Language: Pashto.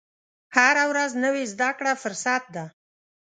هره ورځ نوې زده کړه فرصت ده.